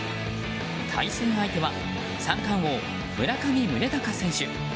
対戦相手は三冠王、村上宗隆選手。